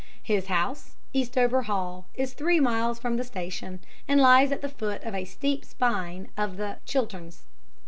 His house, Eastover Hall, is three miles from the station, and lies at the foot of a steep spine of the Chilterns.